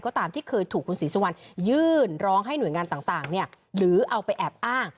ก็ตามที่เคยถูกคุณศรีสุวรรณยื่นร้องให้หน่วยงานต่างหรือเอาไปแอบอ้าง